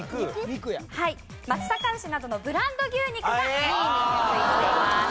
松阪牛などのブランド牛肉が２位にランクインしています。